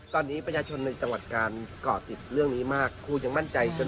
ตอนนี้ประชาชนในจังหวัดกาลก่อติดเรื่องนี้มากครูยังมั่นใจจน